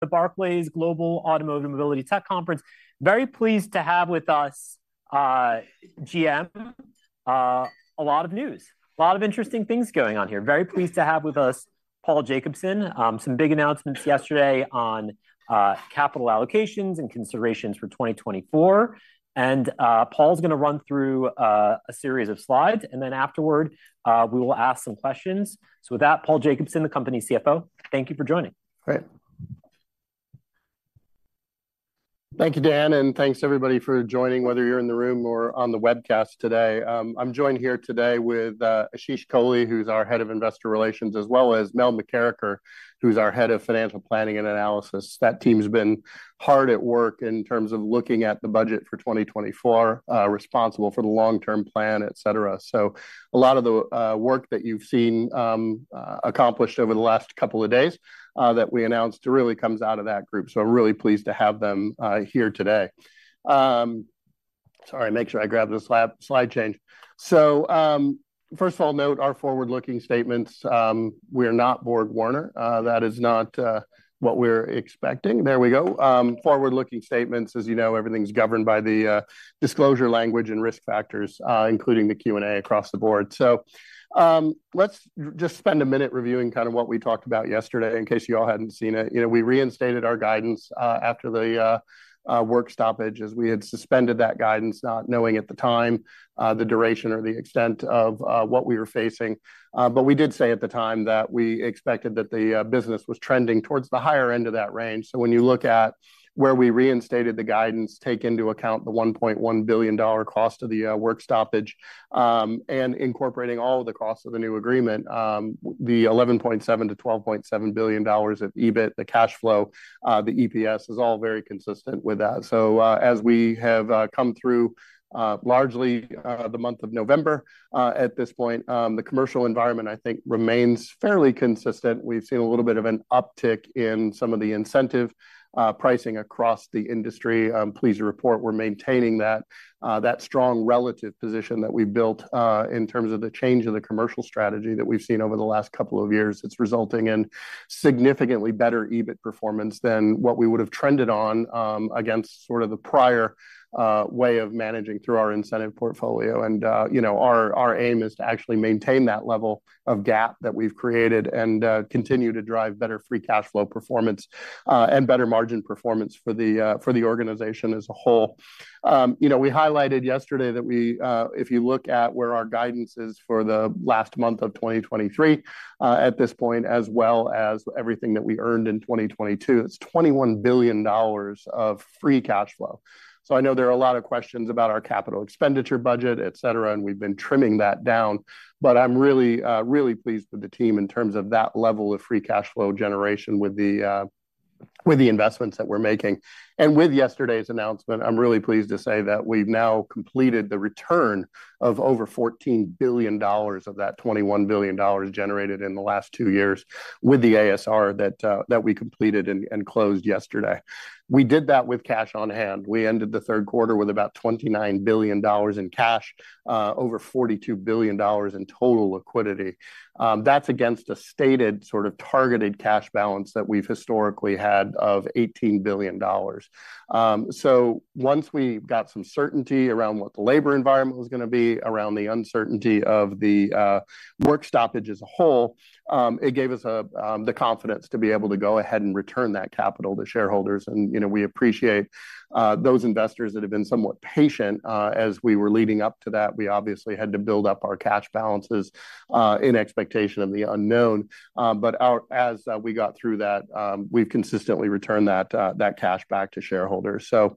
The Barclays Global Automotive Mobility Tech Conference. Very pleased to have with us, GM. A lot of news, a lot of interesting things going on here. Very pleased to have with us Paul Jacobson. Some big announcements yesterday on capital allocations and considerations for 2024. Paul's gonna run through a series of slides, and then afterward, we will ask some questions. So with that, Paul Jacobson, the company CFO, thank you for joining. Great. Thank you, Dan, and thanks, everybody, for joining, whether you're in the room or on the webcast today. I'm joined here today with Ashish Kohli, who's our Head of Investor Relations, as well as Mel McKerracher, who's our Head of Financial Planning and Analysis. That team's been hard at work in terms of looking at the budget for 2024, responsible for the long-term plan, et cetera. So a lot of the work that you've seen accomplished over the last couple of days that we announced really comes out of that group, so I'm really pleased to have them here today. Sorry, make sure I grab the slide change. So, first of all, note our forward-looking statements: we are not BorgWarner. That is not what we're expecting. There we go. Melissa McKerracher Forward-looking statements, as you know, everything's governed by the disclosure language and risk factors, including the Q&A across the board. So, let's spend a minute reviewing kind of what we talked about yesterday, in case you all hadn't seen it. You know, we reinstated our guidance after the work stoppage, as we had suspended that guidance, not knowing at the time the duration or the extent of what we were facing. But we did say at the time that we expected that the business was trending towards the higher end of that range. So when you look at where we reinstated the guidance, take into account the $1.1 billion cost of the work stoppage, and incorporating all of the costs of the new agreement, the $11.7 billion-$12.7 billion of EBIT, the cash flow, the EPS is all very consistent with that. So, as we have come through largely the month of November, at this point, the commercial environment, I think, remains fairly consistent. We've seen a little bit of an uptick in some of the incentive pricing across the industry. Pleased to report we're maintaining that that strong relative position that we built in terms of the change in the commercial strategy that we've seen over the last couple of years. It's resulting in significantly better EBIT performance than what we would have trended on, against sort of the prior, way of managing through our incentive portfolio. And, you know, our, our aim is to actually maintain that level of gap that we've created and, continue to drive better free cash flow performance, and better margin performance for the, for the organization as a whole. You know, we highlighted yesterday that we, if you look at where our guidance is for the last month of 2023, at this point, as well as everything that we earned in 2022, it's $21 billion of free cash flow. So I know there are a lot of questions about our capital expenditure budget, et cetera, and we've been trimming that down, but I'm really, really pleased with the team in terms of that level of free cash flow generation with the, with the investments that we're making. And with yesterday's announcement, I'm really pleased to say that we've now completed the return of over $14 billion of that $21 billion generated in the last two years with the ASR that, that we completed and, and closed yesterday. We did that with cash on hand. We ended the third quarter with about $29 billion in cash, over $42 billion in total liquidity. That's against a stated, sort of targeted cash balance that we've historically had of $18 billion. So once we got some certainty around what the labor environment was gonna be, around the uncertainty of the work stoppage as a whole, it gave us the confidence to be able to go ahead and return that capital to shareholders. And, you know, we appreciate those investors that have been somewhat patient. As we were leading up to that, we obviously had to build up our cash balances in expectation of the unknown. But as we got through that, we've consistently returned that cash back to shareholders. So,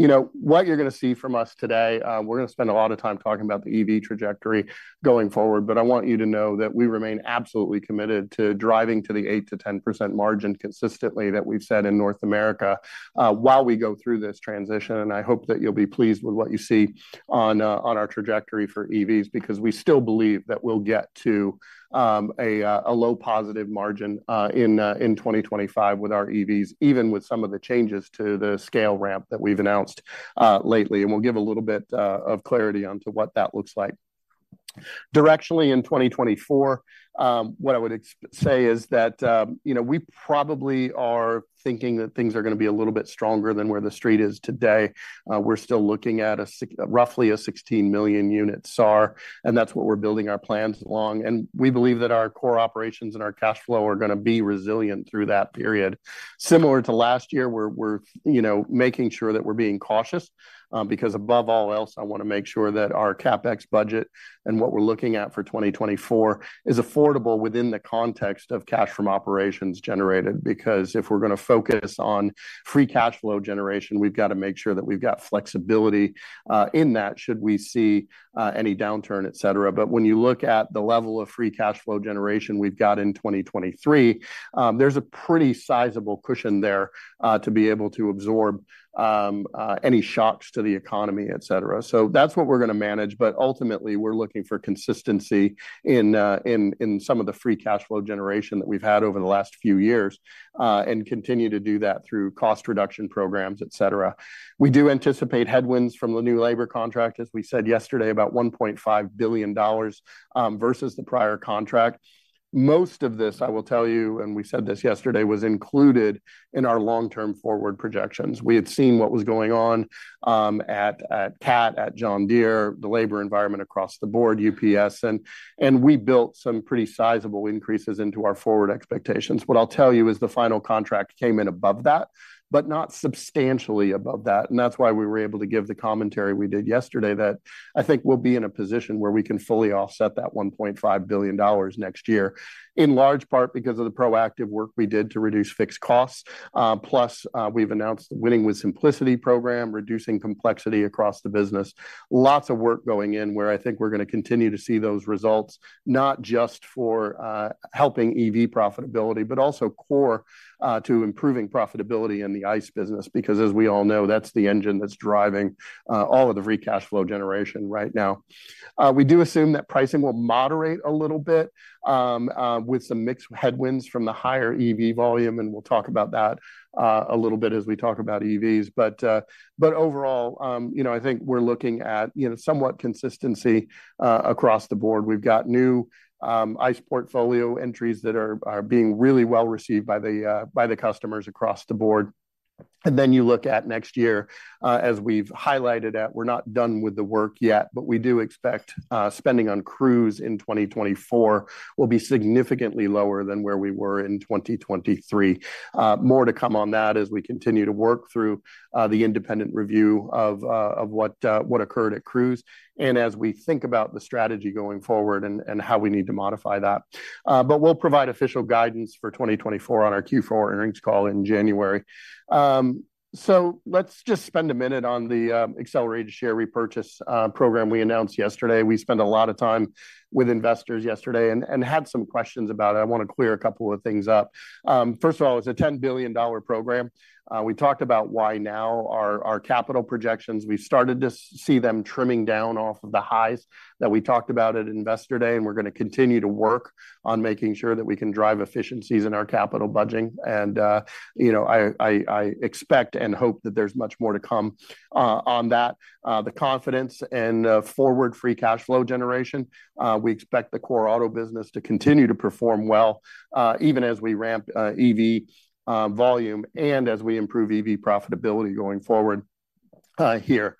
you know, what you're gonna see from us today, we're gonna spend a lot of time talking about the EV trajectory going forward, but I want you to know that we remain absolutely committed to driving to the 8%-10% margin consistently that we've set in North America, while we go through this transition. And I hope that you'll be pleased with what you see on our trajectory for EVs, because we still believe that we'll get to a low positive margin in 2025 with our EVs, even with some of the changes to the scale ramp that we've announced lately. And we'll give a little bit of clarity onto what that looks like. Directionally, in 2024, what I would say is that, you know, we probably are thinking that things are gonna be a little bit stronger than where the street is today. We're still looking at roughly a 16 million unit SAAR, and that's what we're building our plans along. And we believe that our core operations and our cash flow are gonna be resilient through that period. Similar to last year, we're you know making sure that we're being cautious, because above all else, I wanna make sure that our CapEx budget and what we're looking at for 2024 is affordable within the context of cash from operations generated. Because if we're gonna focus on free cash flow generation, we've got to make sure that we've got flexibility in that, should we see any downturn, et cetera. But when you look at the level of free cash flow generation we've got in 2023, there's a pretty sizable cushion there to be able to absorb any shocks to the economy, etc. So that's what we're gonna manage, but ultimately, we're looking for consistency in in some of the free cash flow generation that we've had over the last few years and continue to do that through cost reduction programs, etc. We do anticipate headwinds from the new labor contract, as we said yesterday, about $1.5 billion versus the prior contract. Most of this, I will tell you, and we said this yesterday, was included in our long-term forward projections. We had seen what was going on at Cat, at John Deere, the labor environment across the board, UPS, and we built some pretty sizable increases into our forward expectations. What I'll tell you is the final contract came in above that, but not substantially above that. And that's why we were able to give the commentary we did yesterday, that I think we'll be in a position where we can fully offset that $1.5 billion next year, in large part because of the proactive work we did to reduce fixed costs. Plus, we've announced the Winning with Simplicity program, reducing complexity across the business. Lots of work going in, where I think we're going to continue to see those results, not just for helping EV profitability, but also core to improving profitability in the ICE business, because, as we all know, that's the engine that's driving all of the free cash flow generation right now. We do assume that pricing will moderate a little bit with some mixed headwinds from the higher EV volume, and we'll talk about that a little bit as we talk about EVs. But overall, you know, I think we're looking at, you know, somewhat consistency across the board. We've got new ICE portfolio entries that are being really well received by the customers across the board. Then you look at next year, as we've highlighted that we're not done with the work yet, but we do expect spending on Cruise in 2024 will be significantly lower than where we were in 2023. More to come on that as we continue to work through the independent review of what occurred at Cruise, and as we think about the strategy going forward and how we need to modify that. But we'll provide official guidance for 2024 on our Q4 earnings call in January. So let's just spend a minute on the accelerated share repurchase program we announced yesterday. We spent a lot of time with investors yesterday and had some questions about it. I want to clear a couple of things up. First of all, it's a $10 billion program. We talked about why now, our capital projections, we've started to see them trimming down off of the highs that we talked about at Investor Day, and we're going to continue to work on making sure that we can drive efficiencies in our capital budgeting. And, you know, I expect and hope that there's much more to come on that. The confidence and forward free cash flow generation, we expect the core auto business to continue to perform well, even as we ramp EV volume and as we improve EV profitability going forward, here.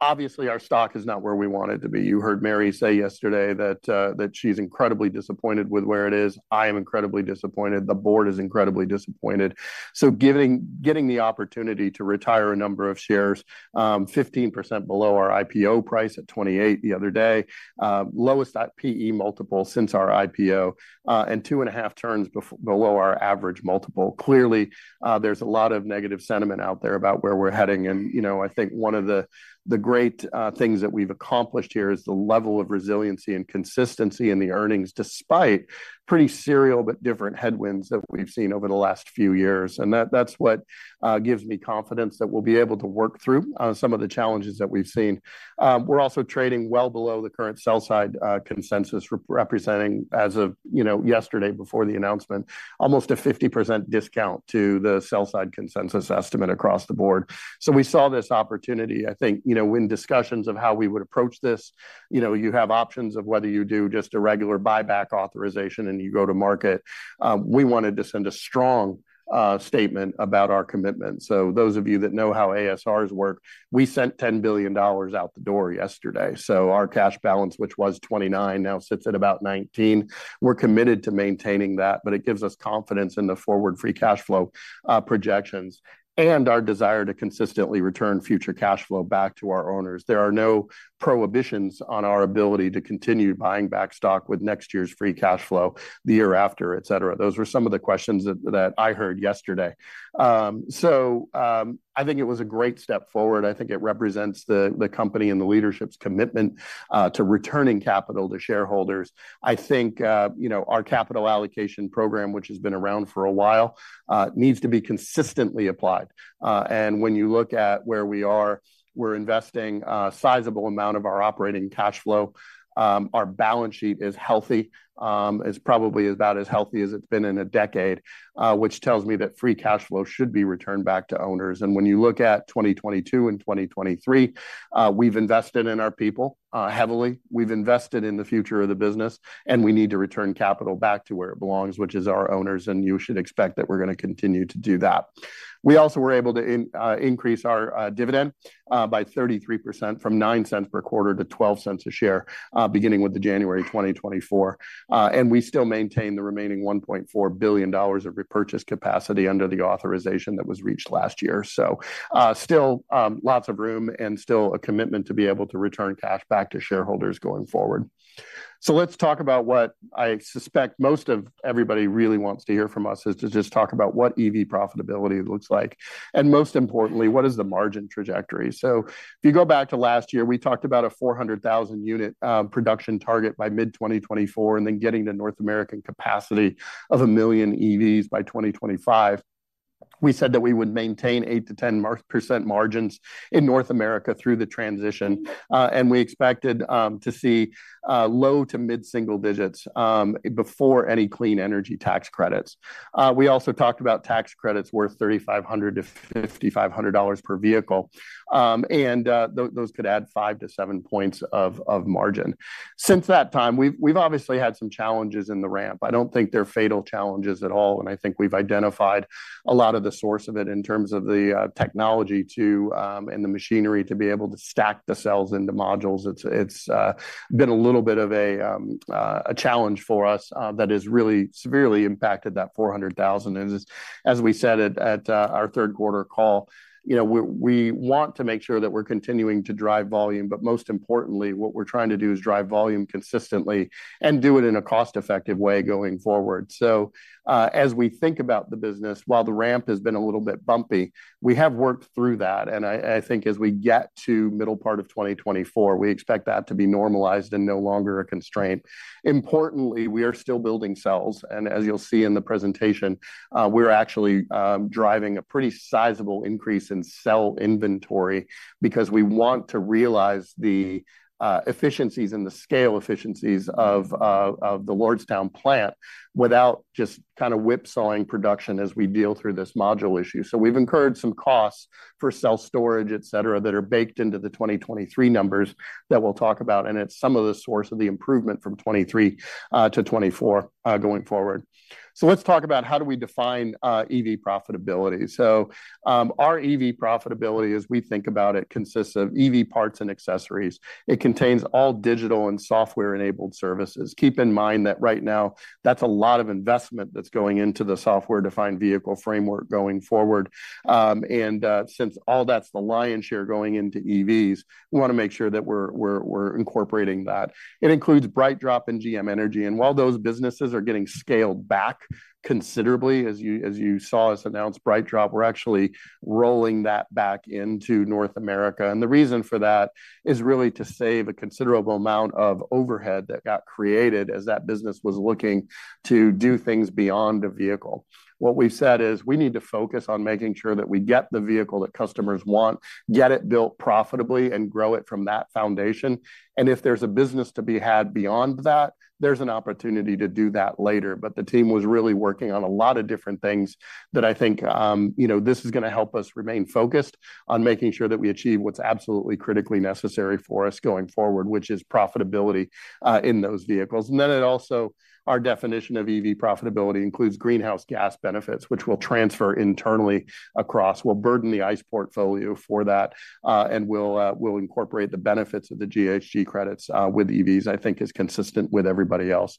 Obviously, our stock is not where we want it to be. You heard Mary say yesterday that she's incredibly disappointed with where it is. I am incredibly disappointed. The board is incredibly disappointed. Getting the opportunity to retire a number of shares 15% below our IPO price at $28 the other day, lowest PE multiple since our IPO, and 2.5 turns below our average multiple. Clearly, there's a lot of negative sentiment out there about where we're heading. You know, I think one of the great things that we've accomplished here is the level of resiliency and consistency in the earnings, despite pretty serial but different headwinds that we've seen over the last few years. And that's what gives me confidence that we'll be able to work through some of the challenges that we've seen. We're also trading well below the current sell-side consensus, representing, as of, you know, yesterday, before the announcement, almost a 50% discount to the sell-side consensus estimate across the board. So we saw this opportunity. I think, you know, in discussions of how we would approach this, you know, you have options of whether you do just a regular buyback authorization and you go to market. We wanted to send a strong statement about our commitment. So those of you that know how ASRs work, we sent $10 billion out the door yesterday. So our cash balance, which was 29, now sits at about 19. We're committed to maintaining that, but it gives us confidence in the forward free cash flow projections and our desire to consistently return future cash flow back to our owners. There are no prohibitions on our ability to continue buying back stock with next year's free cash flow, the year after, et cetera. Those were some of the questions that I heard yesterday. I think it was a great step forward. I think it represents the company and the leadership's commitment to returning capital to shareholders. I think you know, our capital allocation program, which has been around for a while, needs to be consistently applied. And when you look at where we are, we're investing a sizable amount of our operating cash flow. Our balance sheet is healthy, it's probably about as healthy as it's been in a decade, which tells me that free cash flow should be returned back to owners. When you look at 2022 and 2023, we've invested in our people heavily. We've invested in the future of the business, and we need to return capital back to where it belongs, which is our owners, and you should expect that we're going to continue to do that. We also were able to increase our dividend by 33% from $0.09 per quarter to $0.12 a share, beginning with the January 2024. And we still maintain the remaining $1.4 billion of repurchase capacity under the authorization that was reached last year. So, still, lots of room and still a commitment to be able to return cash back to shareholders going forward. So let's talk about what I suspect most of everybody really wants to hear from us, is to just talk about what EV profitability looks like, and most importantly, what is the margin trajectory? So if you go back to last year, we talked about a 400,000-unit production target by mid-2024, and then getting to North American capacity of 1 million EVs by 2025. We said that we would maintain 8%-10% margins in North America through the transition, and we expected to see low- to mid-single digits before any clean energy tax credits. We also talked about tax credits worth $3,500-$5,500 per vehicle, and those could add 5-7 points of margin. Since that time, we've obviously had some challenges in the ramp. I don't think they're fatal challenges at all, and I think we've identified a lot of the source of it in terms of the technology to and the machinery to be able to stack the cells into modules. It's been a little bit of a challenge for us that has really severely impacted that 400,000. And as we said at our third quarter call, you know, we want to make sure that we're continuing to drive volume, but most importantly, what we're trying to do is drive volume consistently and do it in a cost-effective way going forward. So, as we think about the business, while the ramp has been a little bit bumpy, we have worked through that, and I think as we get to middle part of 2024, we expect that to be normalized and no longer a constraint. Importantly, we are still building cells, and as you'll see in the presentation, we're actually driving a pretty sizable increase in cell inventory because we want to realize the efficiencies and the scale efficiencies of the Lordstown plant without just kind of whip-sawing production as we deal through this module issue. So we've incurred some costs for cell storage, et cetera, that are baked into the 2023 numbers that we'll talk about, and it's some of the source of the improvement from 2023 to 2024 going forward. So let's talk about how do we define EV profitability. So, our EV profitability, as we think about it, consists of EV parts and accessories. It contains all digital and software-enabled services. Keep in mind that right now, that's a lot of investment that's going into the software-defined vehicle framework going forward. And since all that's the lion's share going into EVs, we want to make sure that we're incorporating that. It includes BrightDrop and GM Energy, and while those businesses are getting scaled back considerably, as you saw us announce BrightDrop, we're actually rolling that back into North America. And the reason for that is really to save a considerable amount of overhead that got created as that business was looking to do things beyond a vehicle. What we've said is, we need to focus on making sure that we get the vehicle that customers want, get it built profitably, and grow it from that foundation. And if there's a business to be had beyond that, there's an opportunity to do that later. But the team was really working on a lot of different things that I think, you know, this is going to help us remain focused on making sure that we achieve what's absolutely critically necessary for us going forward, which is profitability in those vehicles. And then it also, our definition of EV profitability includes greenhouse gas benefits, which we'll transfer internally across. We'll burden the ICE portfolio for that, and we'll incorporate the benefits of the GHG credits with EVs, I think is consistent with everybody else.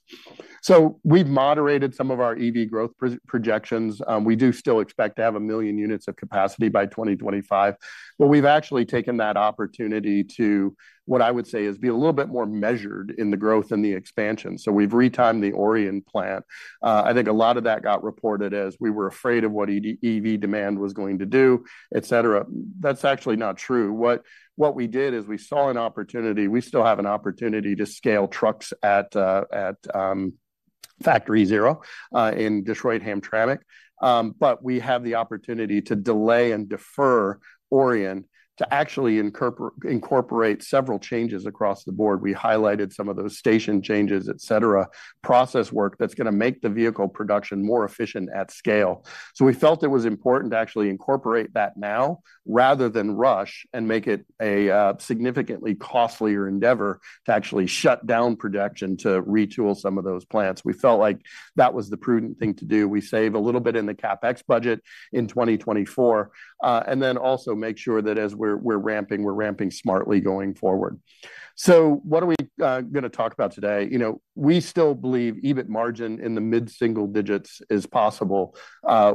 So we've moderated some of our EV growth projections. We do still expect to have 1 million units of capacity by 2025, but we've actually taken that opportunity to, what I would say, is be a little bit more measured in the growth and the expansion. So we've retimed the Orion plant. I think a lot of that got reported as we were afraid of what EV demand was going to do, et cetera. That's actually not true. What we did is we saw an opportunity. We still have an opportunity to scale trucks at Factory Zero in Detroit-Hamtramck. But we have the opportunity to delay and defer Orion to actually incorporate several changes across the board. We highlighted some of those station changes, et cetera, process work that's going to make the vehicle production more efficient at scale. So we felt it was important to actually incorporate that now, rather than rush and make it a significantly costlier endeavor to actually shut down production to retool some of those plants. We felt like that was the prudent thing to do. We save a little bit in the CapEx budget in 2024, and then also make sure that as we're ramping, we're ramping smartly going forward. So what are we going to talk about today? You know, we still believe EBIT margin in the mid-single digits is possible,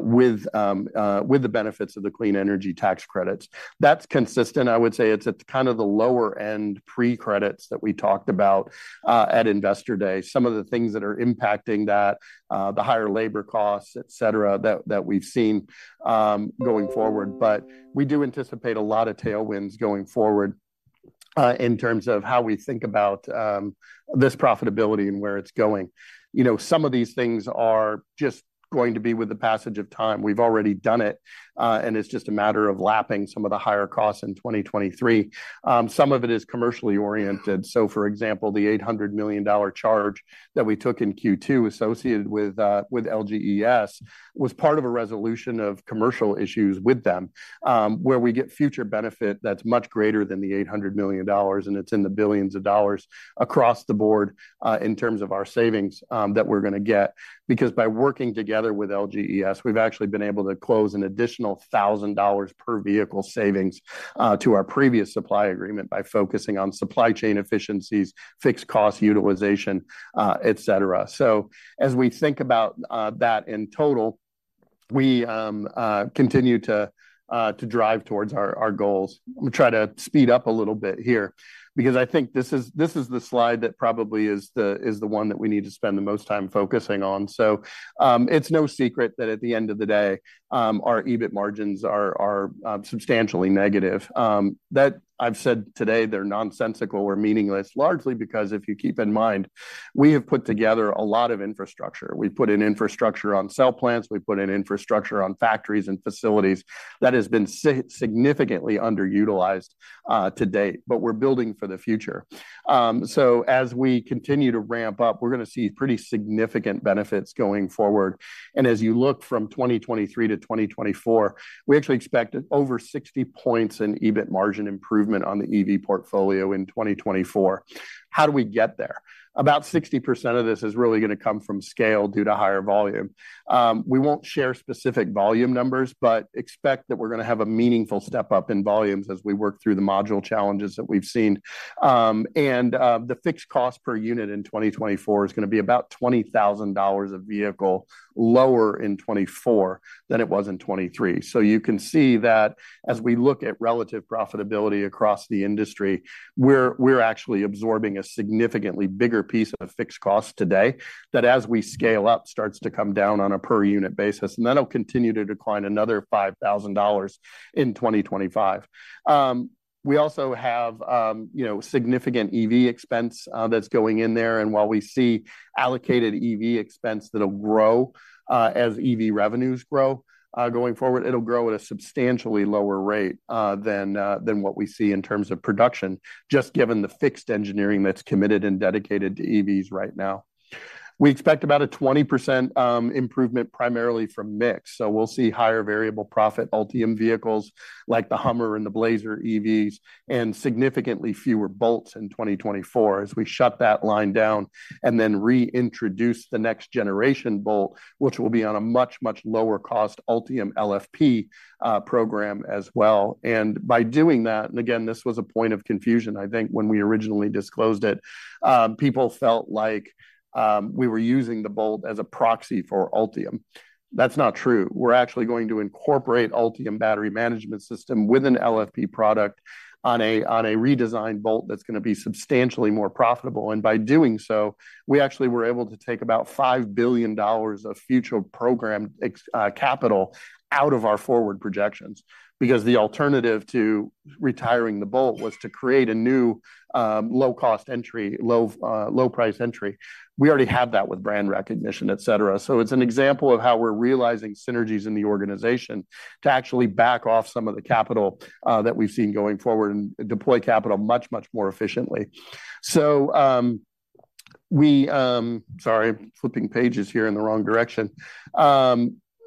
with the benefits of the clean energy tax credits. That's consistent. I would say it's at kind of the lower-end pre-credits that we talked about at Investor Day. Some of the things that are impacting that, the higher labor costs, et cetera, that we've seen, going forward. But we do anticipate a lot of tailwinds going forward in terms of how we think about this profitability and where it's going. You know, some of these things are just going to be with the passage of time. We've already done it, and it's just a matter of lapping some of the higher costs in 2023. Some of it is commercially oriented. So, for example, the $800 million charge that we took in Q2 associated with LGES was part of a resolution of commercial issues with them, where we get future benefit that's much greater than the $800 million, and it's in the $ billions across the board in terms of our savings that we're going to get. Because by working together with LGES, we've actually been able to close an additional $1,000 per vehicle savings to our previous supply agreement by focusing on supply chain efficiencies, fixed cost utilization, et cetera. So as we think about that in total, we continue to drive towards our goals. I'm going to try to speed up a little bit here because I think this is the slide that probably is the one that we need to spend the most time focusing on. So, it's no secret that at the end of the day, our EBIT margins are substantially negative. That I've said today, they're nonsensical or meaningless, largely because if you keep in mind, we have put together a lot of infrastructure. We've put in infrastructure on cell plants, we've put in infrastructure on factories and facilities that has been significantly underutilized, to date, but we're building for the future. So as we continue to ramp up, we're going to see pretty significant benefits going forward. As you look from 2023 to 2024, we actually expect over 60 points in EBIT margin improvement on the EV portfolio in 2024. How do we get there? About 60% of this is really going to come from scale due to higher volume. We won't share specific volume numbers, but expect that we're going to have a meaningful step up in volumes as we work through the module challenges that we've seen. And the fixed cost per unit in 2024 is going to be about $20,000 a vehicle, lower in 2024 than it was in 2023. So you can see that as we look at relative profitability across the industry, we're actually absorbing a significantly bigger piece of fixed cost today that as we scale up starts to come down on a per unit basis, and that'll continue to decline another $5,000 in 2025. We also have you know significant EV expense that's going in there, and while we see allocated EV expense that'll grow as EV revenues grow going forward, it'll grow at a substantially lower rate than what we see in terms of production, just given the fixed engineering that's committed and dedicated to EVs right now. We expect about a 20% improvement, primarily from mix. So we'll see higher variable profit Ultium vehicles like the HUMMER and the Blazer EVs, and significantly fewer Bolts in 2024 as we shut that line down and then reintroduce the next generation Bolt, which will be on a much, much lower cost Ultium LFP program as well. And by doing that, and again, this was a point of confusion, I think when we originally disclosed it, people felt like we were using the Bolt as a proxy for Ultium. That's not true. We're actually going to incorporate Ultium battery management system with an LFP product on a redesigned Bolt that's going to be substantially more profitable. By doing so, we actually were able to take about $5 billion of future program capital out of our forward projections, because the alternative to retiring the Bolt was to create a new, low-cost entry, low price entry. We already have that with brand recognition, et cetera. So it's an example of how we're realizing synergies in the organization to actually back off some of the capital that we've seen going forward and deploy capital much, much more efficiently. Sorry, flipping pages here in the wrong direction.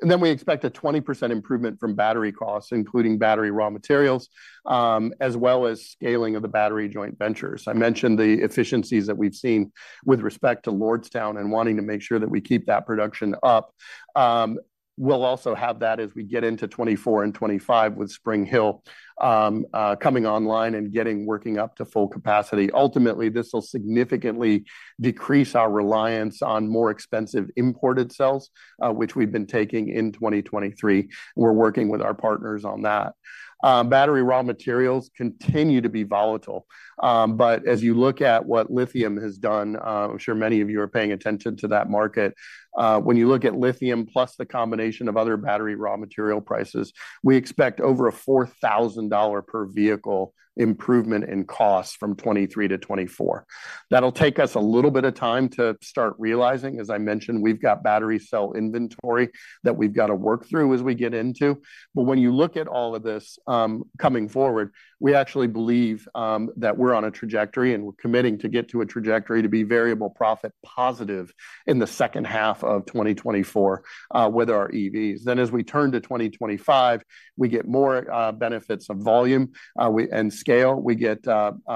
And then we expect a 20% improvement from battery costs, including battery raw materials, as well as scaling of the battery joint ventures. I mentioned the efficiencies that we've seen with respect to Lordstown and wanting to make sure that we keep that production up. We'll also have that as we get into 2024 and 2025 with Spring Hill coming online and getting working up to full capacity. Ultimately, this will significantly decrease our reliance on more expensive imported cells, which we've been taking in 2023. We're working with our partners on that. Battery raw materials continue to be volatile, but as you look at what lithium has done, I'm sure many of you are paying attention to that market. When you look at lithium, plus the combination of other battery raw material prices, we expect over a $4,000 per vehicle improvement in costs from 2023 to 2024. That'll take us a little bit of time to start realizing. As I mentioned, we've got battery cell inventory that we've got to work through as we get into. But when you look at all of this, coming forward, we actually believe that we're on a trajectory, and we're committing to get to a trajectory to be variable profit positive in the second half of 2024, with our EVs. Then, as we turn to 2025, we get more benefits of volume, we and scale. We get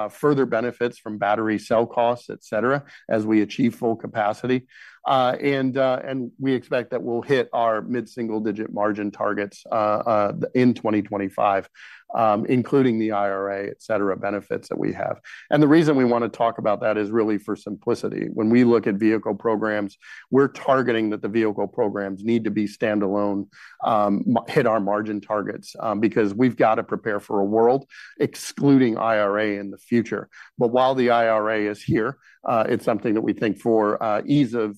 further benefits from battery cell costs, et cetera, as we achieve full capacity. And we expect that we'll hit our mid-single-digit margin targets in 2025, including the IRA, et cetera, benefits that we have. And the reason we want to talk about that is really for simplicity. When we look at vehicle programs, we're targeting that the vehicle programs need to be standalone, hit our margin targets, because we've got to prepare for a world excluding IRA in the future. But while the IRA is here, it's something that we think for ease of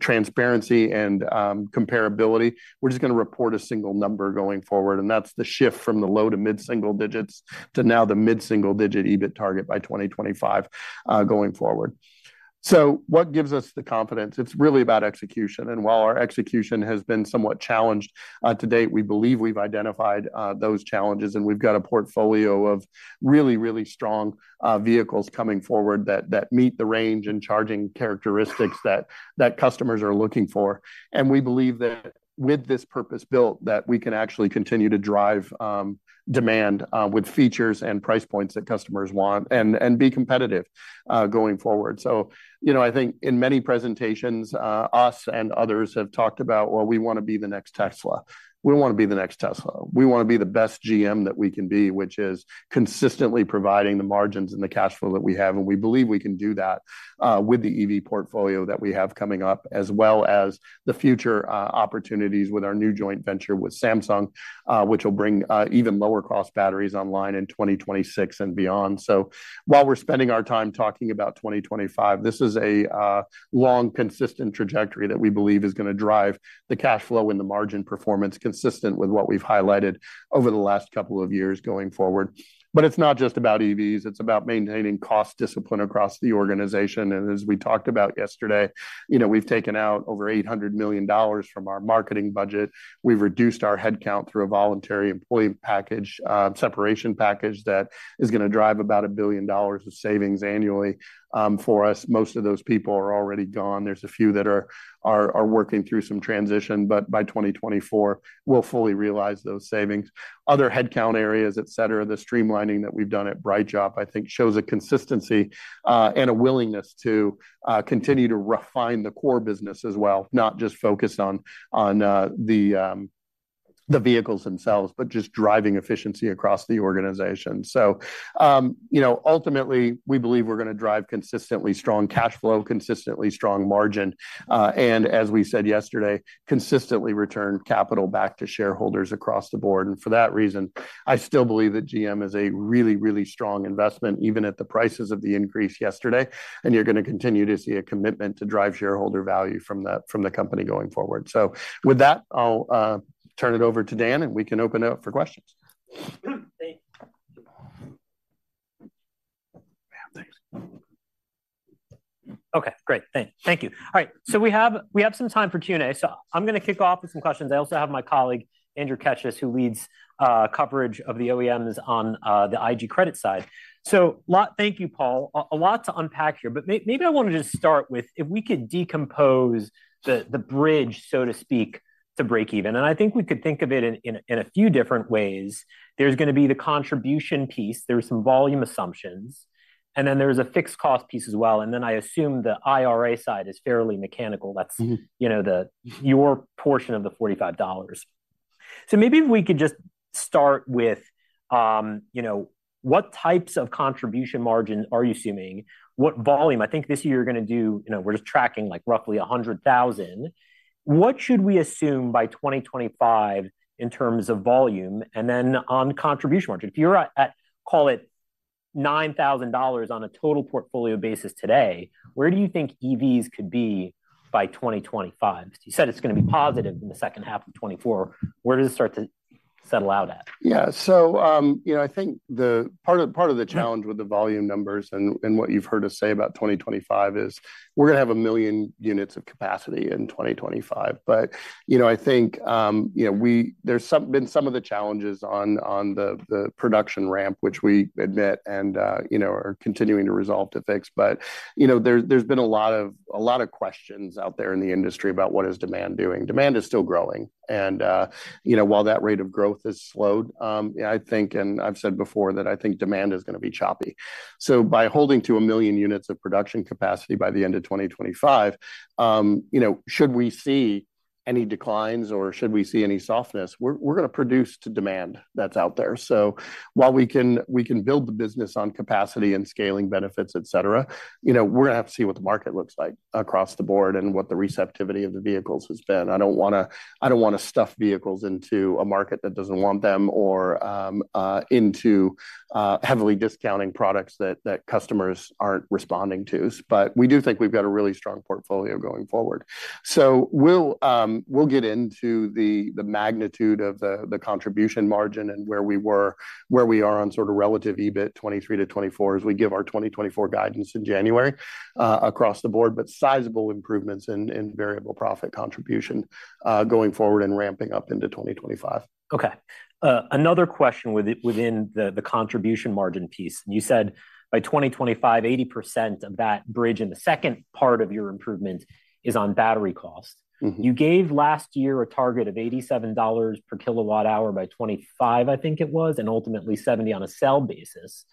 transparency and comparability, we're just going to report a single number going forward, and that's the shift from the low to mid-single digits to now the mid-single digit EBIT target by 2025, going forward. So what gives us the confidence? It's really about execution. And while our execution has been somewhat challenged to date, we believe we've identified those challenges, and we've got a portfolio of really, really strong vehicles coming forward that meet the range and charging characteristics that customers are looking for. We believe that with this purpose built, that we can actually continue to drive demand with features and price points that customers want and be competitive going forward. So, you know, I think in many presentations, us and others have talked about, well, we want to be the next Tesla. We don't want to be the next Tesla. We want to be the best GM that we can be, which is consistently providing the margins and the cash flow that we have, and we believe we can do that with the EV portfolio that we have coming up, as well as the future opportunities with our new joint venture with Samsung, which will bring even lower-cost batteries online in 2026 and beyond. So while we're spending our time talking about 2025, this is a long, consistent trajectory that we believe is going to drive the cash flow and the margin performance, consistent with what we've highlighted over the last couple of years going forward. But it's not just about EVs, it's about maintaining cost discipline across the organization. And as we talked about yesterday, you know, we've taken out over $800 million from our marketing budget. We've reduced our headcount through a voluntary employee package, separation package that is going to drive about $1 billion of savings annually, for us. Most of those people are already gone. There's a few that are working through some transition, but by 2024, we'll fully realize those savings. Other headcount areas, et cetera, the streamlining that we've done at BrightDrop, I think, shows a consistency and a willingness to continue to refine the core business as well, not just focused on the vehicles themselves, but just driving efficiency across the organization. So, you know, ultimately, we believe we're going to drive consistently strong cash flow, consistently strong margin, and as we said yesterday, consistently return capital back to shareholders across the board. And for that reason, I still believe that GM is a really, really strong investment, even at the prices of the increase yesterday. And you're going to continue to see a commitment to drive shareholder value from the company going forward. So with that, I'll turn it over to Dan, and we can open it up for questions. Thank you. Man, thanks. Okay, great. Thank you. All right, so we have some time for Q&A. So I'm going to kick off with some questions. I also have my colleague, Andrew Keches, who leads coverage of the OEMs on the IG credit side. So thank you, Paul. A lot to unpack here, but maybe I want to just start with if we could decompose the bridge, so to speak, to break even, and I think we could think of it in a few different ways. There's going to be the contribution piece, there's some volume assumptions, and then there's a fixed cost piece as well. And then I assume the IRA side is fairly mechanical. That's- Mm-hmm. You know, the, your portion of the $45. So maybe if we could just start with, you know, what types of contribution margin are you assuming? What volume? I think this year you're going to do—you know, we're just tracking, like, roughly 100,000. What should we assume by 2025 in terms of volume, and then on contribution margin? If you're at, at, call it $9,000 on a total portfolio basis today, where do you think EVs could be by 2025? You said it's going to be positive in the second half of 2024. Where does it start to settle out at? Yeah. So, you know, I think part of the challenge with the volume numbers and what you've heard us say about 2025 is, we're going to have 1 million units of capacity in 2025. But, you know, I think, you know, there's been some of the challenges on the production ramp, which we admit and, you know, are continuing to resolve to fix. But, you know, there's been a lot of questions out there in the industry about what demand is doing. Demand is still growing, and, you know, while that rate of growth has slowed, yeah, I think, and I've said before, that I think demand is going to be choppy. So by holding to 1 million units of production capacity by the end of 2025, you know, should we see any declines or should we see any softness, we're going to produce to demand that's out there. So while we can, we can build the business on capacity and scaling benefits, et cetera, you know, we're going to have to see what the market looks like across the board and what the receptivity of the vehicles has been. I don't want to stuff vehicles into a market that doesn't want them or into heavily discounting products that customers aren't responding to. But we do think we've got a really strong portfolio going forward. So we'll get into the magnitude of the contribution margin and where we were, where we are on sort of relative EBIT 2023-2024, as we give our 2024 guidance in January, across the board, but sizable improvements in variable profit contribution, going forward and ramping up into 2025. Okay. Another question within the contribution margin piece. You said by 2025, 80% of that bridge in the second part of your improvement is on battery cost. Mm-hmm. You gave last year a target of $87 per kWh by 2025, I think it was, and ultimately $70 on a cell basis.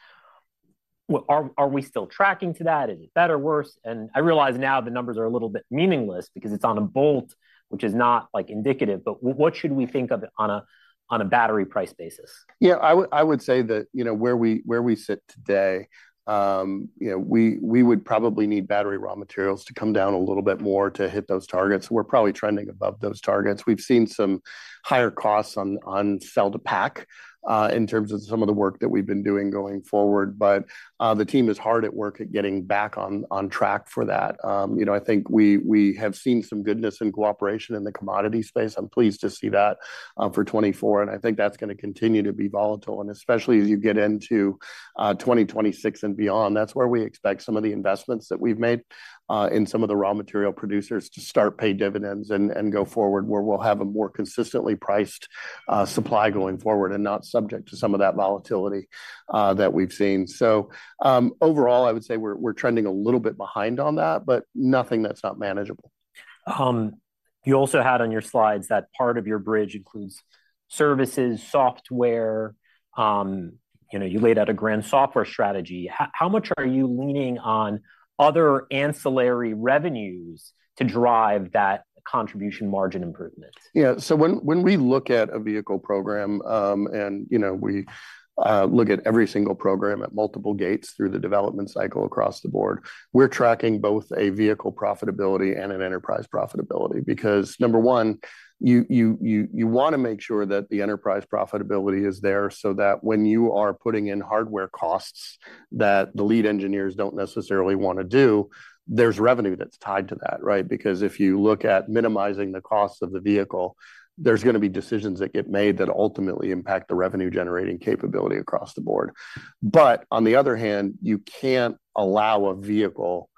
Are we still tracking to that? Is it better, worse? And I realize now the numbers are a little bit meaningless because it's on a Bolt, which is not, like, indicative, but what should we think of it on a, on a battery price basis? Yeah, I would, I would say that, you know, where we, where we sit today, you know, we, we would probably need battery raw materials to come down a little bit more to hit those targets. We're probably trending above those targets. We've seen some higher costs on, on cell-to-pack, in terms of some of the work that we've been doing going forward. But, the team is hard at work at getting back on, on track for that. You know, I think we, we have seen some goodness and cooperation in the commodity space. I'm pleased to see that, for 2024, and I think that's going to continue to be volatile. And especially as you get into 2026 and beyond, that's where we expect some of the investments that we've made in some of the raw material producers to start pay dividends and go forward, where we'll have a more consistently priced supply going forward, and not subject to some of that volatility that we've seen. So, overall, I would say we're trending a little bit behind on that, but nothing that's not manageable. You also had on your slides that part of your bridge includes services, software. You know, you laid out a grand software strategy. How much are you leaning on other ancillary revenues to drive that contribution margin improvement? Yeah. So when we look at a vehicle program, and, you know, we look at every single program at multiple gates through the development cycle across the board, we're tracking both a vehicle profitability and an enterprise profitability. Because number one, you want to make sure that the enterprise profitability is there so that when you are putting in hardware costs that the lead engineers don't necessarily want to do, there's revenue that's tied to that, right? Because if you look at minimizing the costs of the vehicle, there's going to be decisions that get made that ultimately impact the revenue-generating capability across the board. But on the other hand, you can't allow a vehicle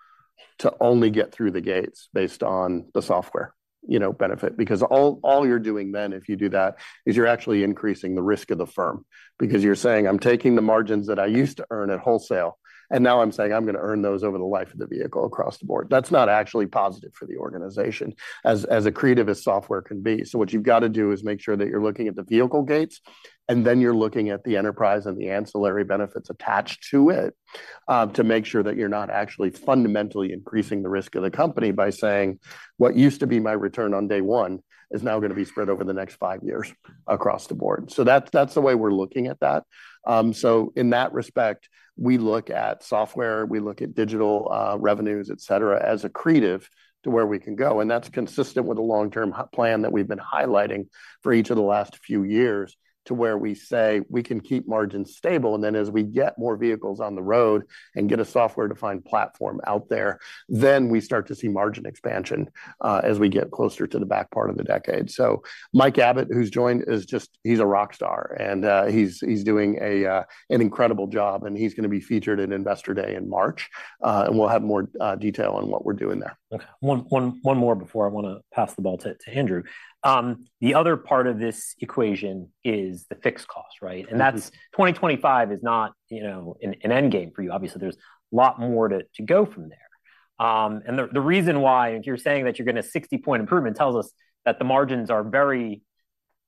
to only get through the gates based on the software, you know, benefit. Because all you're doing then, if you do that, is you're actually increasing the risk of the firm. Because you're saying, "I'm taking the margins that I used to earn at wholesale, and now I'm saying I'm going to earn those over the life of the vehicle across the board." That's not actually positive for the organization as accretive as software can be. So what you've got to do is make sure that you're looking at the vehicle gates, and then you're looking at the enterprise and the ancillary benefits attached to it, to make sure that you're not actually fundamentally increasing the risk of the company by saying, "What used to be my return on day one, is now going to be spread over the next five years across the board." So that's the way we're looking at that. So in that respect, we look at software, we look at digital, revenues, et cetera, as accretive to where we can go, and that's consistent with the long-term plan that we've been highlighting for each of the last few years, to where we say we can keep margins stable. And then, as we get more vehicles on the road and get a software-defined platform out there, then we start to see margin expansion, as we get closer to the back part of the decade. So Mike Abbott, who's joined, is just—he's a rock star, and he's doing an incredible job, and he's going to be featured at Investor Day in March. And we'll have more detail on what we're doing there. Okay. One more before I want to pass the ball to Andrew. The other part of this equation is the fixed cost, right? Mm-hmm. And that's 2025 is not, you know, an end game for you. Obviously, there's a lot more to go from there. And the reason why, if you're saying that you're going to 60-point improvement, tells us that the margins are very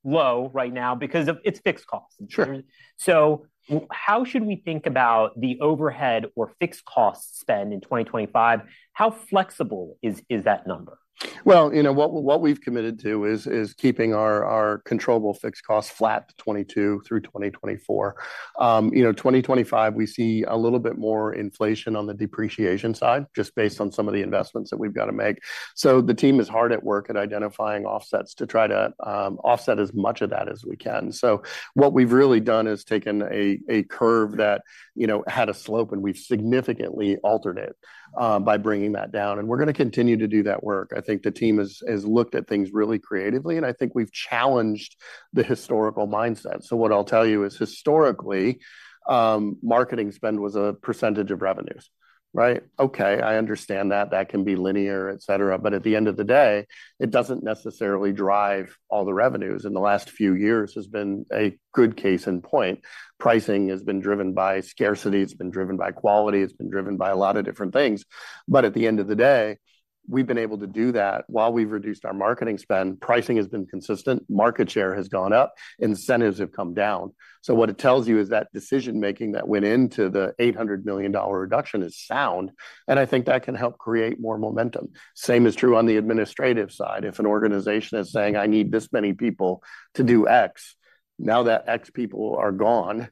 low right now because of its fixed costs. Sure. So how should we think about the overhead or fixed cost spend in 2025? How flexible is that number? Well, you know, what we've committed to is keeping our controllable fixed costs flat, 2022 through 2024. You know, 2025, we see a little bit more inflation on the depreciation side, just based on some of the investments that we've got to make. So the team is hard at work identifying offsets to try to offset as much of that as we can. So what we've really done is taken a curve that, you know, had a slope, and we've significantly altered it by bringing that down, and we're going to continue to do that work. I think the team has looked at things really creatively, and I think we've challenged the historical mindset. So what I'll tell you is, historically, marketing spend was a percentage of revenues, right? Okay, I understand that. That can be linear, et cetera, but at the end of the day, it doesn't necessarily drive all the revenues. The last few years has been a good case in point. Pricing has been driven by scarcity, it's been driven by quality, it's been driven by a lot of different things. But at the end of the day, we've been able to do that while we've reduced our marketing spend. Pricing has been consistent, market share has gone up, incentives have come down. So what it tells you is that decision-making that went into the $800 million reduction is sound, and I think that can help create more momentum. Same is true on the administrative side. If an organization is saying, "I need this many people to do X," now that X people are gone,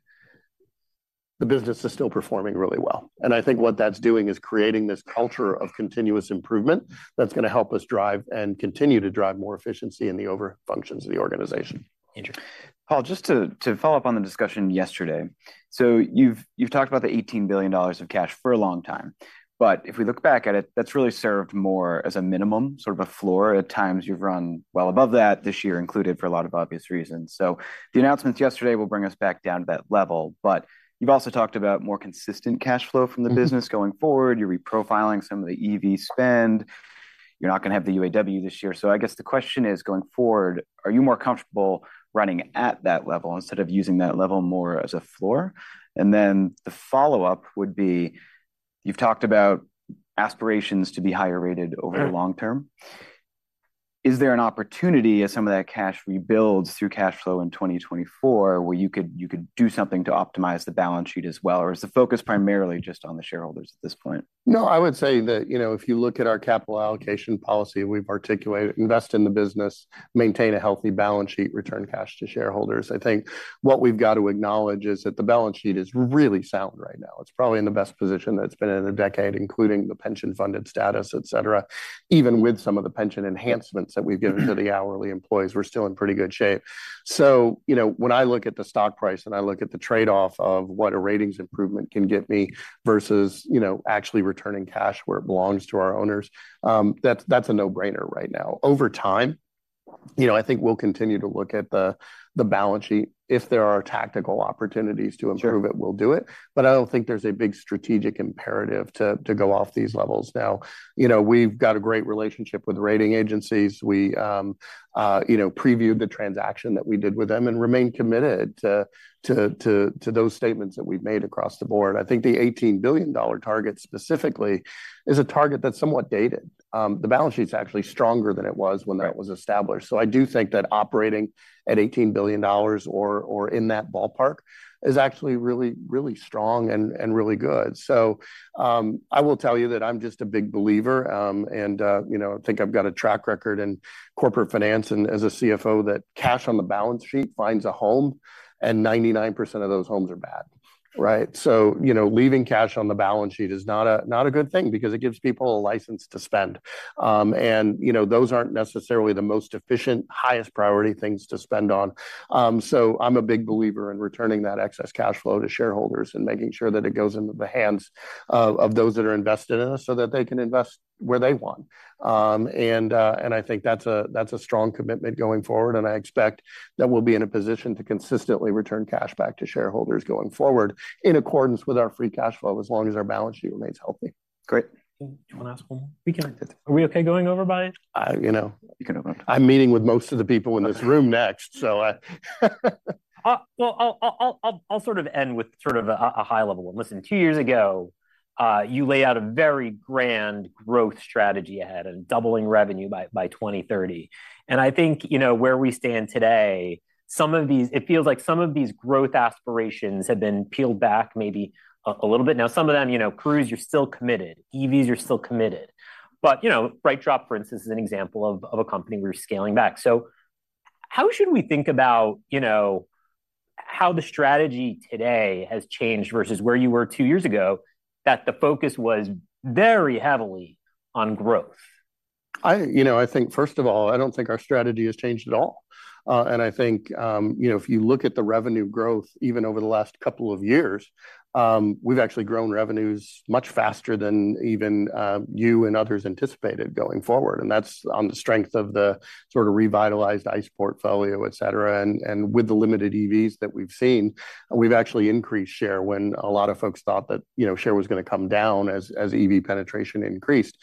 the business is still performing really well. I think what that's doing is creating this culture of continuous improvement that's going to help us drive and continue to drive more efficiency in the over functions of the organization. Andrew. Paul, just to follow up on the discussion yesterday. So you've talked about the $18 billion of cash for a long time, but if we look back at it, that's really served more as a minimum, sort of a floor. At times, you've run well above that, this year included, for a lot of obvious reasons. So the announcements yesterday will bring us back down to that level. But you've also talked about more consistent cash flow from the business- Mm-hmm. Going forward. You're reprofiling some of the EV spend. You're not going to have the UAW this year. So I guess the question is, going forward, are you more comfortable running at that level instead of using that level more as a floor? And then, the follow-up would be: You've talked about aspirations to be higher rated over the long term. Mm. Is there an opportunity, as some of that cash rebuilds through cash flow in 2024, where you could do something to optimize the balance sheet as well, or is the focus primarily just on the shareholders at this point? No, I would say that, you know, if you look at our capital allocation policy, we've articulated: invest in the business, maintain a healthy balance sheet, return cash to shareholders. I think what we've got to acknowledge is that the balance sheet is really sound right now. It's probably in the best position that it's been in a decade, including the pension-funded status, et cetera. Even with some of the pension enhancements that we've given- Mm-hmm to the hourly employees, we're still in pretty good shape. So, you know, when I look at the stock price, and I look at the trade-off of what a ratings improvement can get me versus, you know, actually returning cash where it belongs to our owners, that's, that's a no-brainer right now. Over time, you know, I think we'll continue to look at the, the balance sheet. If there are tactical opportunities to improve it- Sure we'll do it, but I don't think there's a big strategic imperative to go off these levels now. You know, we've got a great relationship with the rating agencies. We, you know, previewed the transaction that we did with them and remain committed to those statements that we've made across the board. I think the $18 billion target specifically is a target that's somewhat dated. The balance sheet's actually stronger than it was when that- Right was established. So I do think that operating at $18 billion or, or in that ballpark is actually really, really strong and, and really good. So, I will tell you that I'm just a big believer, and, you know, I think I've got a track record in corporate finance and as a CFO, that cash on the balance sheet finds a home, and 99% of those homes are bad.... Right. So, you know, leaving cash on the balance sheet is not a, not a good thing because it gives people a license to spend. And, you know, those aren't necessarily the most efficient, highest priority things to spend on. So I'm a big believer in returning that excess cash flow to shareholders and making sure that it goes into the hands of those that are invested in us, so that they can invest where they want. And I think that's a strong commitment going forward, and I expect that we'll be in a position to consistently return cash back to shareholders going forward, in accordance with our free cash flow, as long as our balance sheet remains healthy. Great. You want to ask one more? We can. Are we okay going over by- You know. You can go over. I'm meeting with most of the people in this room next, so, Well, I'll sort of end with sort of a high level. Listen, two years ago, you laid out a very grand growth strategy ahead, and doubling revenue by 2030. And I think, you know, where we stand today, some of these; it feels like some of these growth aspirations have been peeled back maybe a little bit. Now, some of them, you know, Cruise, you're still committed; EVs, you're still committed. But, you know, BrightDrop, for instance, is an example of a company we're scaling back. So how should we think about, you know, how the strategy today has changed versus where you were two years ago, that the focus was very heavily on growth? You know, I think, first of all, I don't think our strategy has changed at all. And I think, you know, if you look at the revenue growth, even over the last couple of years, we've actually grown revenues much faster than even you and others anticipated going forward, and that's on the strength of the sort of revitalized ICE portfolio, et cetera. And with the limited EVs that we've seen, we've actually increased share when a lot of folks thought that, you know, share was gonna come down as EV penetration increased,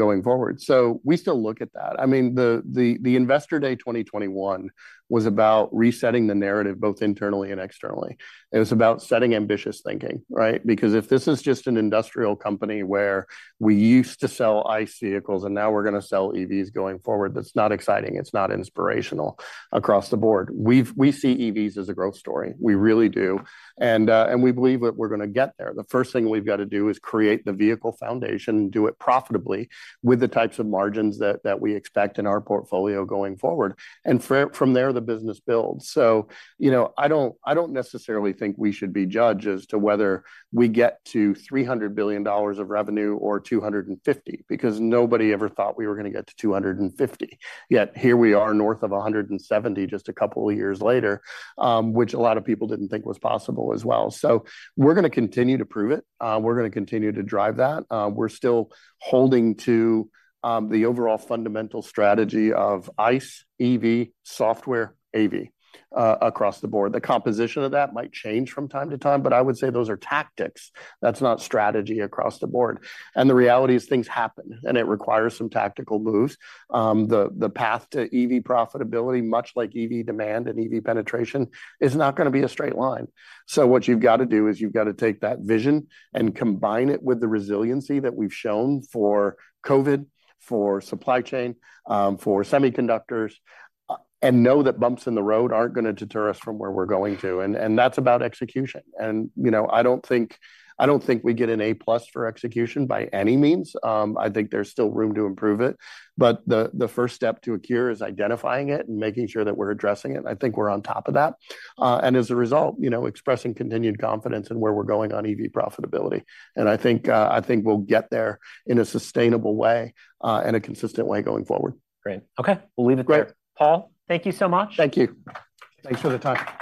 going forward. So we still look at that. I mean, the Investor Day 2021 was about resetting the narrative, both internally and externally. It was about setting ambitious thinking, right? Because if this is just an industrial company where we used to sell ICE vehicles, and now we're gonna sell EVs going forward, that's not exciting, it's not inspirational across the board. We see EVs as a growth story. We really do. And we believe that we're gonna get there. The first thing we've got to do is create the vehicle foundation, and do it profitably with the types of margins that we expect in our portfolio going forward. And from there, the business builds. So, you know, I don't necessarily think we should be judged as to whether we get to $300 billion of revenue or $250 billion, because nobody ever thought we were gonna get to $250 billion. Yet, here we are, north of 170, just a couple of years later, which a lot of people didn't think was possible as well. So we're gonna continue to prove it. We're gonna continue to drive that. We're still holding to the overall fundamental strategy of ICE, EV, software, AV, across the board. The composition of that might change from time to time, but I would say those are tactics. That's not strategy across the board. And the reality is, things happen, and it requires some tactical moves. The path to EV profitability, much like EV demand and EV penetration, is not gonna be a straight line. So what you've got to do is you've got to take that vision and combine it with the resiliency that we've shown for COVID, for supply chain, for semiconductors, and know that bumps in the road aren't gonna deter us from where we're going to, and, and that's about execution. And, you know, I don't think, I don't think we get an A+ for execution by any means. I think there's still room to improve it, but the, the first step to a cure is identifying it and making sure that we're addressing it. I think we're on top of that. And as a result, you know, expressing continued confidence in where we're going on EV profitability, and I think, I think we'll get there in a sustainable way, and a consistent way going forward. Great. Okay, we'll leave it there. Great. Paul, thank you so much. Thank you. Thanks for the time.